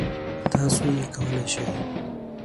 تاسو یې کولای شی.